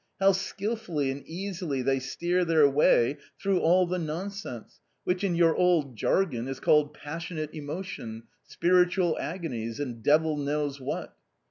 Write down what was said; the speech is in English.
How skilfully and easily they steer their way through all the nonsense, which — in your old jargon — is called ' passionate emotion,' ' spiritual agonies,' and devil knows what